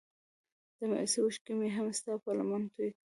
د مايوسۍ اوښکې مې هم ستا په لمن توی کړې.